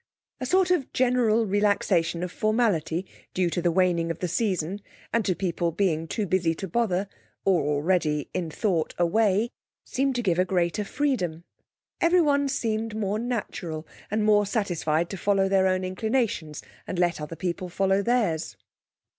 A sort of general relaxation of formality, due to the waning of the season, and to people being too busy to bother, or already in thought away, seemed to give a greater freedom. Everyone seemed more natural, and more satisfied to follow their own inclinations and let other people follow theirs.